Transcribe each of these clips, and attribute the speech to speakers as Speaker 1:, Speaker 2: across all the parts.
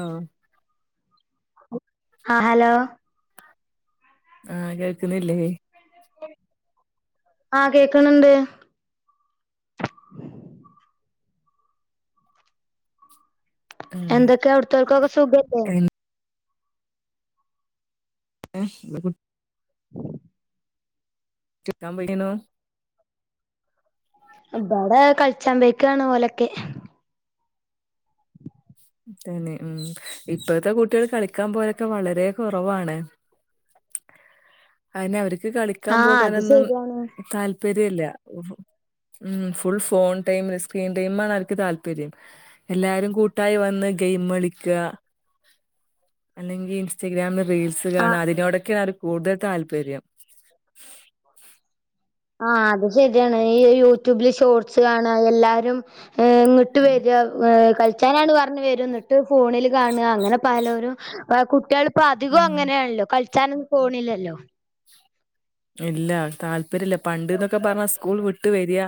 Speaker 1: ആഹ്
Speaker 2: ആഹ് ഹലോ
Speaker 1: ആഹ് കേൾക്കണില്ലേ
Speaker 2: ആഹ് കേക്കണിണ്ട്.
Speaker 1: ആഹ്
Speaker 2: എന്തക്കെ അവിടുത്തോർക്കൊക്കെ സുഖല്ലേ?
Speaker 1: [unintelligible] [unintelligible]
Speaker 2: ഇബടെ കളിച്ചാമ്പോയേക്കാണ് ഓലക്കെ.
Speaker 1: തന്നെ ഇം ഇപ്പഴത്തെ കുട്ടികള് കളി ക്കാൻ പോവലൊക്കെ വളരേ കുറവാണ് അതിനവർ ക്ക്
Speaker 2: ആ
Speaker 1: കളിക്കാൻ
Speaker 2: അത്
Speaker 1: പോകാനൊന്നും
Speaker 2: ശരിയാണ്
Speaker 1: താല്പര്യ ഇല്ല. ഉം ഫുൾ ഫോൺ ടൈമില് സ്ക്രീൻ ടൈം ആണ് അവർക്ക് താല്പര്യം എല്ലാരും കൂട്ടായി വന്ന് ഗെയിമ്മ് കളിക്കാ അല്ലെങ്കി ഇൻസ്റ്റാഗ്രാമി റീൽസ്
Speaker 2: ആ
Speaker 1: കാണാ അതിനോടൊക്കെയാണ് അവർക്ക് കൂടുതൽ താല്പര്യം.
Speaker 2: ആഹ് അത് ശരിയാണ് ഈ യൂട്യൂബില് ഷോർട്സ് കാണാ എല്ലാരും. ഏഹ് ഇങ്ങട്ട് വരാ ഏഹ് കൾ ച്ചാനാണെന്ന് പറഞ്ഞു വരും എന്നട്ട് ഫോണില് കാണാ അങ്ങനെ പലോരും ഏഹ് കുട്ട്യാള് ഇപ്പൊ അധികോം
Speaker 1: ഉം
Speaker 2: അങ്ങനേണെല്ലോ കളിച്ചാനൊന്നും പോണില്ലല്ലോ.
Speaker 1: ഇല്ല താല്പര്യില്ല പണ്ട്ന്നൊക്കെ പറഞ്ഞ സ്കൂള് വിട്ട് വരിയാ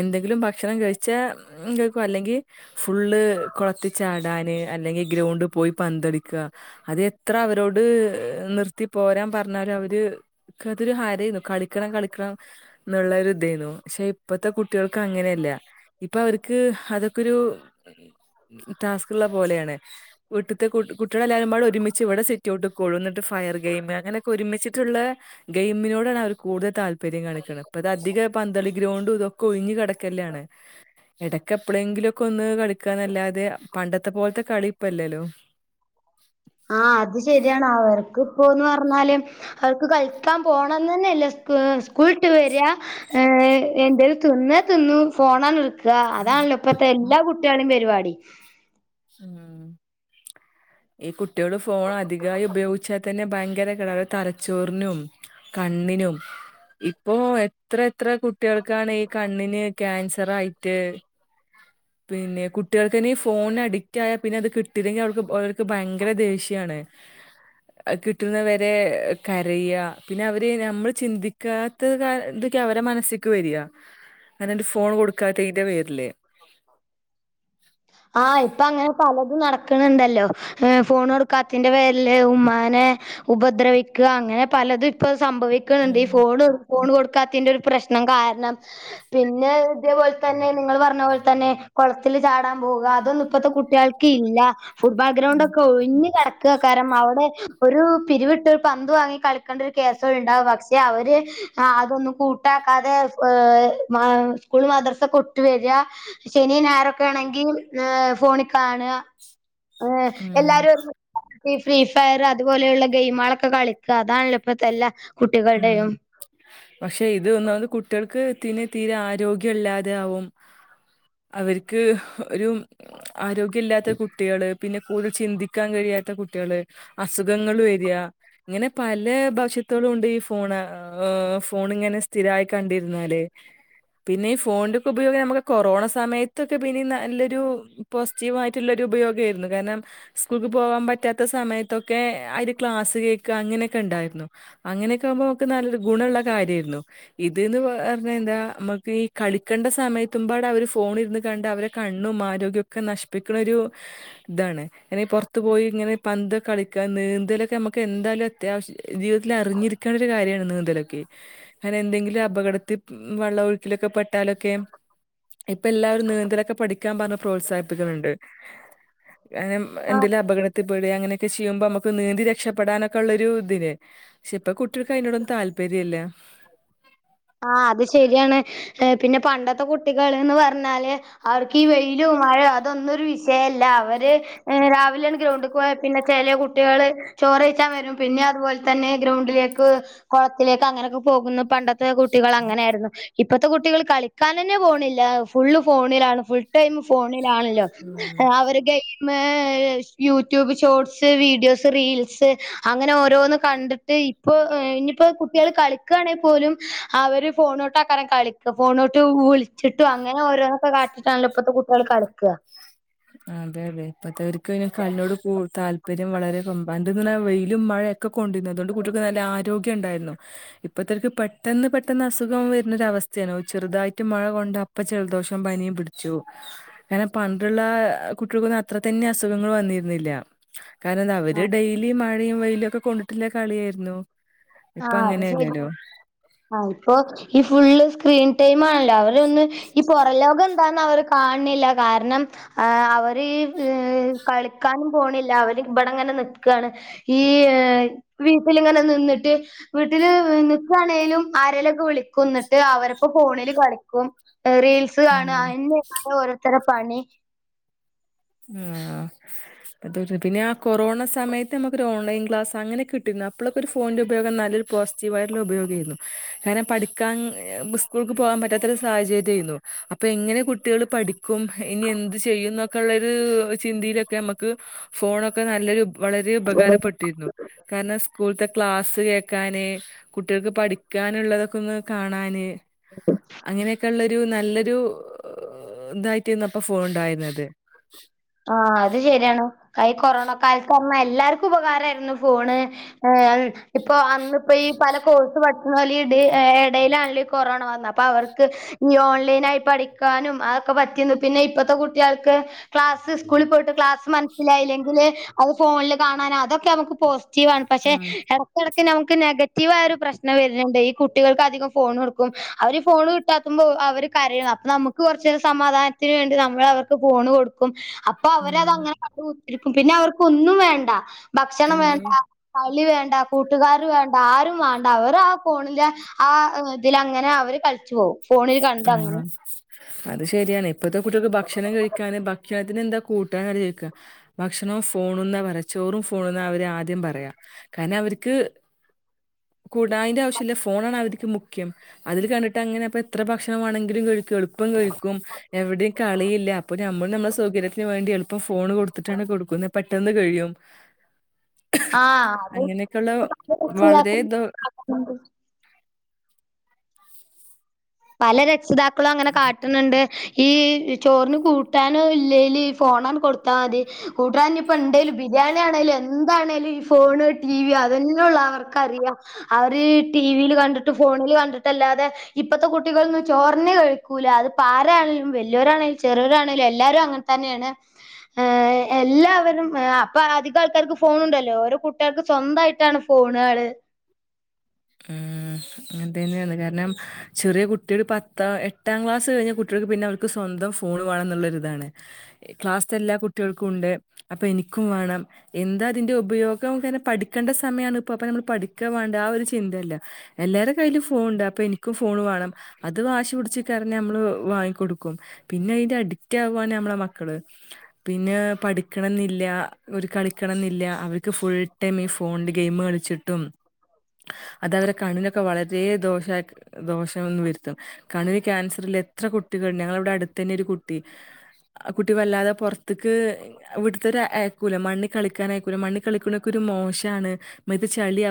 Speaker 1: എന്തെങ്കിലും ഭക്ഷണം കഴിച്ചാ കേൾക്കും അല്ലെങ്കിൽ ഫുള്ള് കൊളത്തിച്ചാടാന് ന് അല്ലെങ്കി ഗ്രൗണ്ടിൽ പോയി പന്തളിക്ക അത് എത്ര അവരോട് നിർത്തിപ്പോരാൻ പറ ഞ്ഞാലും അവര് നത്തൊരു ഹരേനു കളിക്കണം കളിക്കണം ഇന്നുള്ളൊരുതേനു പക്ഷേ ഇപ്പത്തെ കുട്ട്യേൾക്ക് അങ്ങനെല്ല. ഇപ്പൊ അവർക്ക് അതൊക്കൊരു ടാസ്ക്കിള്ള പോലെയാണ് വീട്ടിത്തെ കുട്ട് കുട്ടികളെല്ലാരുംബാടെ ഒരുമിച്ച് ഇവിടെ സിറ്റൗട്ടിൽ കൂടും ന്നിട്ട് ഫയർ ഗേയിമ് അങ്ങനെക്കെ ഒരുമിച്ചിട്ടുള്ള ഗെയ്മിനോടാണ് അവര് കൂടുതൽ താൽ പര്യം കാണിക്കണ്. ഇപ്പതധികം പന്തളി ഗ്രൗണ്ടും ഇതൊക്കെ ഒഴിഞ്ഞു കെടക്കല്ലേണ്. ഇടക്കെ എപ്പളെങ്കിലോക്കൊന്ന് കളിക്കാന്നല്ലാതെ പണ്ടത്തെ പോലെത്തെ കളി ഇപ്പല്ലെലോ.
Speaker 2: പോകുന്നപറഞ്ഞാൽ അവർക്ക് കളിക്കാൻ പോണന്നന്നെല്ലേ സ്‌കൂ സ്കുൾവിട്ട് വരാ ഏഹ് ഏ എന്തേൽ തിന്നേ തിന്നും ഫോണ ക്കാ അതാണല്ലോ ഇപ്പത്തെ എല്ലാ കുട്ട്യാളീം പരിപാടി
Speaker 1: ഈ കുട്ട്യാള് ഫോണ് അധികായി ഉപയോഗിച്ചാ ത്തെന്നെ ഭയങ്കര കേടാ തലച്ചോറിനും കണ്ണിനും ഇപ്പൊ എത്ര എത്ര കുട്ട്യാൾക്കാണ് ഈ കണ്ണിന് ക്യാൻസർ ആയിട്ട് പിന്നെ കുട്ട്യാൾക്കയ്ന് ഈ ഫോൺന് അടി ഏ പിന്നത് കിട്ടില്ലെങ്കിൽ അവൾക് ഓൽക്ക്‌ ഭയങ്കര ദേഷ്യാണ് അത് കിട്ട്ണ വരെ കരയ പിന്നെ അവരെ നമ്മൾ ചിന്തിക്കാത്ത ത തൊക്കെ അവരെ മനസ്സ്ക്ക് വെരാ ഞാനെന്റെ ഫോണ് കൊടുക്കാത്തേന്റെ പേരില്
Speaker 2: ആ ഇപ്പ അ പലതും നടക്കിന്ണ്ടല്ലോ ഏ ഫോണ് കൊടുക്കാത്തതിന്റെ പേരില് ഉമ്മാനെ ഉപദ്രവിക്ക തു അങ്ങനെ പലതും ഇപ്പൊ സംഭവിക്ക്ന്ണ്ട് ഇ
Speaker 1: ഉം
Speaker 2: ഇവിടെ ഫോണ് കൊടുക്കാത്തിന്റെ ഒരു പ്രശ്നം കാരണം പിന്നെ ഇതേ പോലെത്തന്നെ നിങ്ങൾ പറഞ്ഞപോലെ ത ന്നെ കൊളത്തില് ചാടാൻ പോക അതൊന്നും ഇപ്പത്തെ കുട്ടികൾക്ക് ഇല്ല ഫോട്‌ബോൾ
Speaker 1: ഉം
Speaker 2: ഗ്രൗണ്ടൊക്കെ ഒഴിഞ്ഞ് കേടക്കേകാരം അവടെ ഒരു പിരിവിട്ട് ഒരു പന്ത് വാങ്ങി കളിക്കണ്ട ഒരു കേസേ വടെ ഉണ്ടാകു പക്ഷേ പിന്നെ അവര് അ അതൊന്നും കൂട്ടാക്കാതെ സ്‌കൂളും മദ്രാസൊക്കെ വിട്ട് വെര ണ്ട ശനി ഞായറോക്കെണെങ്കി ഏ ഫോണി കാണ ഏ
Speaker 1: ഉം
Speaker 2: എല്ലാരും ഈ ഫ്രീ ഫയർ അതുപോലെയുള്ള ഗെയ്മൊക്കെ കളിക്കാ അതാണെല്ലോ ഇപ്പത്തെ എല്ലാ
Speaker 1: ഉ
Speaker 2: കുട്ടികളുടെയും
Speaker 1: പക്ഷെ ഇത് ഒന്നാമത് കുട്ട്യാൾക്ക് ത്തിന് തീരെ ആരോഗ്യല്ലാതെ ആവും അവര്ക് ഒരു ആരോഗ്യം ഇല്ലാത്ത കുട്ട്യാള് പിന്നെ കൂടുതൽ ചിന്തിക്കാൻ കഴിയാത്ത കുട്ട്യാള് അസുഖങ്ങള് വെരാ ഇങ്ങനെ പല [unintelligible] ഉണ്ട് ഇ ഫോണ് ഫോണിങ്ങനെ സ്ഥിരായി കണ്ടിര്ന്നാല് പിന്നെ ഈ ഫോണിന്റൊക്കെ ഉപയോഗം ഞമ്മക് കൊറോണ സമയത്തൊക്കെ പിന്നെ നല്ലൊരു പോസിറ്റിവായിട്ടുള്ളൊരു ഉപയോഗേര്ന്ന് കാരണം സ്കൂൾക്ക്‌ പോവാൻ പറ്റാത്ത സമയത്തൊക്കെ ആ ഒരു ക്ലാസ്സ്‌ കേൾക്ക അങ്ങനൊക്കെ ണ്ടായിരുന്നു അങ്ങനെ ഇതാവുമ്പൊ ഓക്ക് നല്ലൊരു ഗുണള്ള കാര്യേന്നു ഇത്ന്ന് പറഞ്ഞയ്ഞാ നമ്മക്ക് ഈ കളിക്കണ്ട സമ [unintelligible] അവര് ഫോൺ ഇരുന്ന് കണ്ട് അവരെ കണ്ണും ആരോഗ്യം ഒക്കെ നശിപ്പിക്ക്ണ ഒരു താണ് ഇങ്ങനെ പൊറ്ത്ത് പോയി ഇങ്ങനെ പന്ത്‌ കളിക്ക നീന്തലൊക്കെ നമുക്ക് എന്തായാലും അത്യാവശ്യ ജീവിതത്തിൽ അറിഞ്ഞിരി കാര്യാണ് നീന്തലൊക്കെ അങ്ങനെ എന്തെങ്കിലും അപകടത്തിൽ വെള്ളം ഒഴുക്കിലൊക്കെ പെട്ടാലൊക്കെ ഇപ്പം എല്ലാവരും നീന്തലൊക്കെ പഠിക്കാൻ പറഞ്ഞ് പ്രോത്സാഹിപ്പിക്കുന്നുണ്ട്
Speaker 2: [unintelligible]
Speaker 1: ങ്ങനം
Speaker 2: ആ
Speaker 1: എന്തേലും അപകടത്തിൽ പെടേ അങ്ങനെയൊക്കെ ചെയ്യുമ്പം നമ്മക്ക് നീന്തി രക്ഷപ്പെടാനൊക്കെ ഉള്ളൊരു ഇത്ല്ലേ പക്ഷെ ഇപ്പം കുട്ടികൾക്ക് അയ്നോടൊന്നും താല്പര്യല്ല
Speaker 2: ഏ പിന്നെ പണ്ടത്തെ കുട്ടികൾന്ന് പറഞ്ഞാല് അവർക്ക് ഈ വെയിലും മഴ അതൊന്നൊരു വി ശയല്ല അവര് രാവിലെയാണ് ഗ്രൗണ്ട്ക്ക് പോയ പിന്നെ ചെലേ കുട്ടികള് ചോറെയ്ച്ചാൻ വരും പിന്നെ അതുപോലെ തന്നെ ഗ്രൗണ്ടിലേക്ക് കൊളത്തിലേക്ക് അങ്ങനെയൊക്കെ പോകുന്നു പണ്ടത്തെ കുട്ടികൾ അങ്ങനെ ആയിരുന്നു ഇപ്പഴ്ത്തെ കുട്ടികള് കളിക്കാനന്നെ പോണില്ല ഫുള്ള് ഫോണിലാണ് ഫുൾ ടൈം ഫോൺ ണിലാണല്ലോ
Speaker 1: ഉം
Speaker 2: game YouTube shorts videos reels അങ്ങനെ ഓരോന്ന് കൺ കണ്ടിട്ട് ഇപ്പോ ഇനിയിപ്പോ കുട്ടികൾ കളിക്കാണേ പോലും അവര് ഫോണോട്ടക്കരെ കളിക്കും ഫോണോട്ട് വിളിച്ചിട്ടും അങ്ങനെ ഓരോന്നൊക്കെ കാട്ടിട്ടാണല്ലോ ഇപ്പഴ്ത്തെ കുട്ടികൾ കളിക്കാ
Speaker 1: അതെ അതെ ഇപ്പഴ്ത്തവർക്ക് പിന്നെ കളീനോട് കൂ താല്പര്യം വളരെ കൊമ്പാണ്ട് [unintelligible] വെയിലും മഴയൊക്കെ കൊണ്ടിന്നു അതോണ്ട് കുട്ടികൾക്ക് നല്ല ആരോഗ്യം ഉണ്ടായിരുന്നു ഇപ്പഴ്ത്തവർക്ക് പെട്ടെന്ന് പെട്ട ന്ന അസുഖം വരുന്നൊരു അവസ്ഥയാണ് ചെറുതായിട്ട് മഴ കൊണ്ട അപ്പം ജലദോഷോം പനിയും പിടിച്ചോവും അങ്ങനെ പണ്ട്ള്ള ആ കുട്ടികൾക്കൊന്നും അത്രതന്നെ അസുഗങ്ങള് അ വന്നിരുന്നില്ല കിരണം എന്തി അവര് ഡെയ്ലീ മഴ ഴയും വെയിലും ഒക്കെ കൊണ്ടിട്ടില്ല കളിയായിരുന്നു ഇപ്പൊ
Speaker 2: ആഹ് അത്
Speaker 1: അങ്ങനെയല്ലല്ലോ
Speaker 2: ശെരിയ ആ ഇപ്പൊ ഈ ഫുള്ള് സ്ക്രീൻ ടൈം ആണല്ലോ അവരൊന്നും ഈ പുറലോകം എന്താന്ന് അവർ കാണണില്ല കാരണം ആ അവര് കളിക്കാനും പോണില്ല അവര് ഇവിടെങ്ങനെ നിക്കാണ് ഈ വീട്ടിലിങ്ങനെ നിന്നിട്ട് വീട്ടില് നിക്കാണേലും ആരേലൊക്കെ വിളിക്കും എന്നിട്ട് അവരപ്പം ഫോണില് കളിക്കും റീൽസ് കാണാ
Speaker 1: ഉം
Speaker 2: ഓരോത്തര പണി
Speaker 1: ഉം ആ അതൊരു പിന്നെ ആ കൊറോണ സമയത്ത് നമുക്കൊരു ഓൺലൈൻ ക്ലാസ് അങ്ങനെ കിട്ടി അപ്പളേക്കും ഒരു ഫോണിന്റെ ഉപയോഗം നല്ലൊരു പോസിറ്റീവ് ആയ്ട്ടുള്ള ഉപയോഗം ആര്ന്നു അങ്ങനെ പഠിക്കാൻ ബുസ് സ്കൂൾക്ക് പോവാൻ പറ്റാത്തൊരു സാഹചര്യാരുന്നു അപ്പൊ എങ്ങനെ കുട്ടികൾ പഠിക്കും ഇനി എന്ത് ചെയ്യും എന്നൊക്കെ ഉള്ളൊരു [unintelligible] ചിന്തിയിലൊക്കെ നമുക്ക് ഫോണൊക്കെ നല്ലൊരു വളരെ ഉപകാരപ്പെട്ടിരുന്നു കാരണം സ്കൂൾ ത ക്ലാസ്സ് കേക്കാന് കുട്ടികൾക്ക് പഠിക്കാനുള്ളതൊക്കെ ഒന്ന് കാണാന് അങ്ങനെയൊക്കെ ഉള്ളൊരു നല്ലൊരു ഇതായിട്ട്ന്ന് അപ്പൊ ഫോൺ ഉണ്ടായിരുന്നത് [inaudible]
Speaker 2: ആ അത് ശരിയാണ് കൈ കൊറോണ കാലത്ത് ന്ന എല്ലാർക്കും ഉപകാരിയിരുന്നു ഫോണ് ഏ ഇപ്പോ അന്നിപ്പം ഈ പല കോഴ്സ് പഠി [unintelligible] എം എടേലാണല്ലോ ഈ കൊറോണ വന്ന അപ്പം അവർക്ക് ഞോൾലൈനായി പഠിക്കാനും അതൊക്കെ പ പറ്റീന്നു പിന്നെ ഇപ്പത്തെ കുട്ടികൾക്ക് ക്ലാസ്സ് സ്കൂളി പോയിട്ട് ക്ലാസ് മനസ്സിലായില്ലെങ്കില് അത് ഫോൺല് കാണാനോ അതൊക്കെ നമുക്ക് പോസ് റ്റീവാണ് പക്ഷെ
Speaker 1: ഉം
Speaker 2: എടക്കെട ക്ക് നമുക്ക് നെഗറ്റീവായ ഒരു പ്രശ്നം വരുന്നുണ്ട് ഈ കുട്ടികൾക്ക് അധികം ഫോണ് കൊടുക്കും അവര് ഫോണ് കിട്ടാത്തുമ്പോ അപ്പം അവര് കരയ്ന്ന് അപ്പൊ നമുക്ക് കൊറച്ച് സമാധാനത്തിന് വേണ്ടി നമ്മൾ അവർക്ക് ഫോണ് കൊടു ക്കും അപ്പൊ അവര്
Speaker 1: ഉം
Speaker 2: അതങ്ങനെ [inaudible] പിന്നെ അവർക്ക് ഒന്നും വേണ്ട ഭക്ഷണം
Speaker 1: എന്നും
Speaker 2: വേണ്ടാ കളി വേണ്ട കൂട്ടുകാര് വേണ്ട ആരും വേണ്ട അവര് ആ ഫോണിന്റെ ആ ഇതിലങ്ങനെ അവര് ക [unintelligible] പോവും ഫോണിൽ കണ്ട് അങ്ങനെ
Speaker 1: ആഹ് അത് ശരിയാണ് ഇപ്പഴ്ത്തെ കുട്ടികൾക്ക് ഭക്ഷണം കഴിക്കാന് ബാക്കി ഭക്ഷണത്തിന് എന്താ കൂട്ടാൻ അവര് ചോയിക്ക ഭക്ഷണവും ഫോണൂന്നാ പറയാ ചോറും ഫോണൂന്നാ അവര് ആദ്യം പറയാ കാരണം അവർക്ക്
Speaker 2: ഉ
Speaker 1: കുടായന്റെ ആവശ്യംമില്ല ഫോണ ആാണ് അവർക്ക് മുഖ്യം അതില് കണ്ടിട്ട് അങ്ങനെപ്പ എത്ര ഭക്ഷണ വണമെങ്കിലും കഴിക്കും എളുപ്പം കഴിക്കും എവിടെയും കളിയില്ല അപ്പൊ നമ്മള് നമ്മുടെ സൗകര്യത്തിന് വേണ്ടി എളുപ്പം ഫോണ് കൊടുത്തിട്ടാണ് കൊടുക്കുന്നത് പെട്ടെന്ന് കഴിയും
Speaker 2: ആ
Speaker 1: അങ്ങനെയൊക്കെയുള്ള വളരെതോ
Speaker 2: അത് പല രക്ഷിതാക്കളും അങ്ങനെ കാട്ടുന്നുണ്ട് ഈ ചോറിന് കൂട്ടാനോ ഇല്ലേല് ഫോണണ് കൊടുത്താൽ മതി കൂട്ടാന്നപ്പോ എന്തേലും അാന ആണെും എന്താണേിലും ഈ ഫോണ് ടി വിിയോ അതന്നെ ഉള്ള അവർക്കറിയാം അവര് ടി വിയിൽ കണ്ടിട്ട് ഫോണിൽ കണ്ടിട്ടല്ലാതെ ഇപ്പത്തെട്ടികൊന്നും ചോഞ്ഞ കഴിക്കൂില്ല അപ്പ ആണങ്കിലും വലിയോരാണങ്കിലും ചെറിയരരാണങ്കിലും എല്ലാവരും അങ്ങനെ തന്നെ എല്ലും അ അോല്ലോ ഓരോ എന്തായിട്ടാണ് ഫോണുകള്
Speaker 1: ഉ അങ്ങന തന്നെയ കാരണം ചെറിയ കുട്ടിയ ഒരു പത്ത എട്ടാം ക്ലാസ് കഴിഞ്ഞ കുട്ട പിന്നെ അവർക്ക് സ്വന്തം ഫോൺ വേണം എന്നുള്ളതാണ് ക്ലാസ് എല്ലാ കുട്ടികൾക്കും ഉണ്ട് അപ്പൊ എനിക്ക ും വേണം എന്താ അതിന്റെ ഉപയോഗംെ പഠിക്കേണ്ട സമയമാണ് ഇപ്പൊ അപ്പ നമ്മൾ പഠിക്കാ വേണ്ട ആ ഒരു ചിന്തല്ല എല്ലാരരുടെ കയ്ും ഫോൺുണ്ട് അപ്പൊ എനിക്ക് ും ഫോൺ വേണം അത് വാശി പിടച്ച് കാരഞ്ഞ നമ്മള് വാങ്ങിക്ക കൊടുക്കും പിന്നെ അ അഡിക്ച്ച് ആ നമ്മെ മക്ക പിന്നെ പ കിക്കണം എന്നില്ല ഒരു കളിക്കണം എന്നില്ല അവർക്ക് ഫുൾ ടൈം ഈ ഫോണില് ഗെയിം കളിച്ചിട്ടും അതവരെ കണുവിനൊക്കെ വളരെ ദോഷ ദോഷംന്ന് വരുത്തും കണുവിന് ക്യാൻസറിൽ എത്ര കുട്ടികൾ ഞങ്ങളവിടെ അടുത്ത് തന്നെ ഒരു കുട്ടി കുട്ടി വല്ലാതെ പുറത്തേക്ക് ഇവിടത്തെ ആയക്കൂല മണ്ണി കളിക്കായക്കൂല മണ്ണണ് കളിക്കണക്കെ മോശാണ് ഇത് ചളിയെ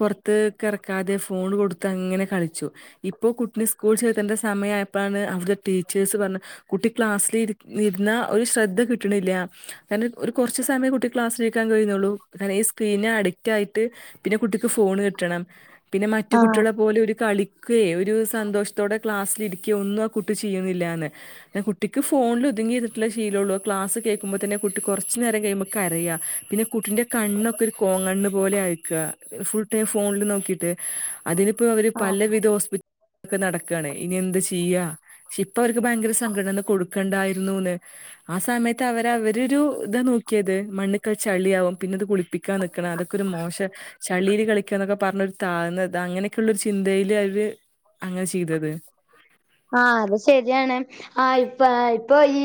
Speaker 1: പുറത്ത്ക്ക് ഇറക്കാതെ ഫോൺ കൊടുത്ത് അങ്ങനെ കളിച്ചു ഇപ്പോ കുട്ടിനെ ടീച്ചേഴസ് പറഞ്ഞ കുട്ടി ക്ലാസ്സിൽ ഇരുന്ന ഒരു ശ്രദ്ധ കിട്ടണില്ല ക ഒരു കുറച്ച് സമയ കുട്ടി ക്ലാസ്ിലാ കഴിയുന്നുള്ള പിന്നെ അഡിക്റ്റ് ആയിട്ട് പിന്നെ കുട്ടിക്ക് ഫോണ് കിട്ടണം പിന്നെ മറ്റു
Speaker 2: ആഹ്
Speaker 1: കുട്ടികളെ പോലെ ഒരു കളിക്കുകയ ഒരു സന്തോഷത്തോടെ ക്ലാസ്സിലിരിക്കുകയോ ഒന്നും ആ കുട്ടി ചെയ്യുന്നില്ല കുട്ടിക്ക് ഫോണിൽ ഒതുങ്ങി ചെയ്തിട്ടുള്ള ശീമുള്ളൂ ക്ലാസ് കേൾക്കുമ്പോന്നെ കുി കുറ നേരം പറ പിന്നെ കുട്ടിന്റെ കണ്ണൊക്കെ ണ് പോലെ അയക്കുക ഫുൾ ടൈം ഫോണിൽ നോക്കിട്ട് അതിനിപ്പോ അവര്
Speaker 2: ആഹ്
Speaker 1: പലവിധോ ഇൊക്കെ നടക്കയാണ് ഇനി എന്ത് ചെയ്യാ പെ ഇപ്പൊ അവർക്ക് ഭയങ്കര സംഘടന കൊടുക്കണ്ടായിരുന്നുന്ന് ആ സമയത്ത് അവര അവരരു ഇതാ നോക്കിയത് മണ്ണ് കളിച്ചളിയാവും പിന്നെത് കുളിപ്പിക്ക ളിക്കാൻ നിക്കണം അതൊക്കെ ഒരു മോശം ശളീൽ കളിക്കാ എന്നൊക്കെ പറഞ്ഞരു താഴന്ന അങ്ങനെയൊക്കെയുള്ള ഒരു ചിന്തയില് അവര് അങ്ങനെ ചെയ്തത്
Speaker 2: ആ അത് ശരിയാണ് ആ ഇ ഇപ്പൊ ഈ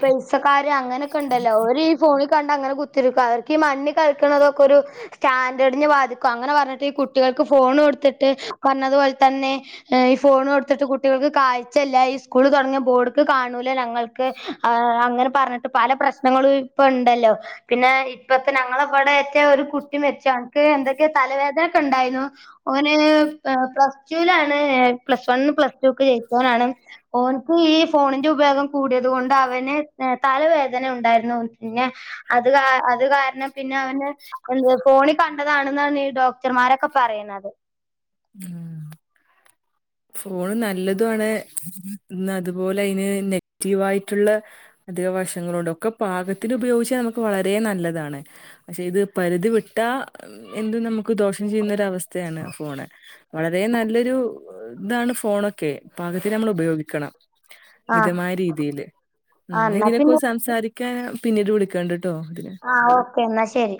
Speaker 2: പൈസ ക അങ്ങനൊക്കെ ഉണ്ടല്ലോ ഒരു ഫോണ കണ്ട അങ്ങനെ കുത്തിക്കും അവർക്ക്ഈ മണ്ണ കളിക്കുന്നതൊക്കെ ഒരു സ്റ്റാൻഡേഡിു ബാിക്ക അങ്ങെ പറഞ്ഞിട്ട് ഈ കുട്ടികൾ ോ കൊെന്നെോ കുട്ടികൾക്ക് കാഴ്ചല്ല ഈ സ്കൂൾ തുടങ്ങിയ ബോർഡ് കാണൂല ഞൾക്ക്് അങ്ങനെ പറഞ്ഞിട്ട് പല പ്രശ്നങ്ങളും ഇപ്പ ഉണ്ടല്ലോ പിന്നെ ഇപ്പത്തെ ഞങ്ങളവിടെച്ച ഒരു കുട്ടി മെച്ചനിക്ക് എന്തൊക്ക തലവേദനൊക്കെ ഉണ്ടായി ഓന പ്ലസ് ൂാണ് പ്ലസ് വൺ പ്ല ജയിച്ചനാണ് ഓൻക്ക് ഈ ഫോണിന്റെ ഉപയോഗം കൂടിയത കൊണ്ട് അവന് തലവേദന ോ ക ഡോക്ടർമാരൊക്കെ പറയുന്നത്
Speaker 1: ഉം ഫോണ് നല്ലതുാണ് അതുപോലെ അതിന് നെഗറ്റീവ ആായിട്ടുള്ള അത് വശങ്ങളണ്ട് ഒക്കെ പാകത്തിന് ഉപയോഗിച്ചാ നമുക്ക് വളരെ നല്ലതാണ് പക്ഷെ ഇത് പരിധി വിട്ട ഉം എന്തും നമുക്ക് ദോഷം ചെയ്യുന്നൊരവസ്ഥയാണ് ഫോണ് വളരേ നല്ലൊരു താണ് ഫോണൊക്കെ പാകത്തിന് നമ്മളുപയോഗിക്കണം
Speaker 2: ആഹ്
Speaker 1: മിതമായ രീതിയില് ഉം
Speaker 2: ആഹ്
Speaker 1: ന്ന
Speaker 2: എന്നാ പിന്നെ
Speaker 1: ഇതിനെക്കുറിച്ച് സംസാരിക്കാൻ പിന്നീട് വിളിക്കണ്ട്
Speaker 2: ആഹ് ഓക്കേ എന്നാ ശരി